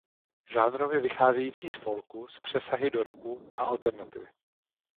Žánrově vycházející z folku s přesahy do rocku a alternativy.